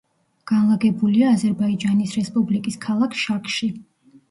განლაგებულია აზერბაიჯანის რესპუბლიკის ქალაქ შაქში.